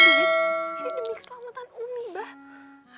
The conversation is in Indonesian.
ini demi keselamatan umi bah